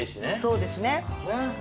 そうですね。